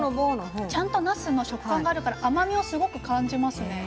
ちゃんとなすの食感があるから甘みをすごく感じますね。